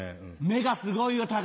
目がすごいよ隆。